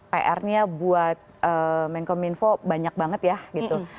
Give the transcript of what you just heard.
pr nya buat menkom info banyak banget ya gitu